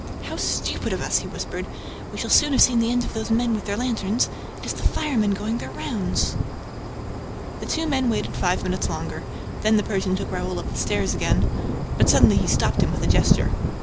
"How stupid of us!" he whispered. "We shall soon have seen the end of those men with their lanterns. It is the firemen going their rounds." The two men waited five minutes longer. Then the Persian took Raoul up the stairs again; but suddenly he stopped him with a gesture.